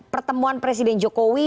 pertemuan presiden jokowi